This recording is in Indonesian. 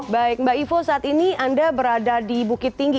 baik mbak ivo saat ini anda berada di bukit tinggi